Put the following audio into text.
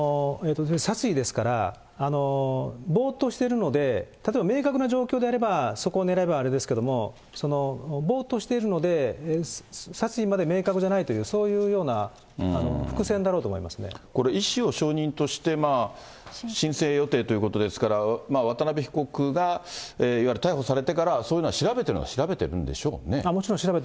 殺意ですから、ぼーっとしてるので、例えば明確な状況であればそこを狙えばあれですけども、ぼーっとしているので、殺意まで明確じゃないという、そういうようなこれ、医師を証人として申請予定ということですから、渡辺被告が、いわゆる逮捕されてから、そういうのは調べてるのは調べてるんでしょうね。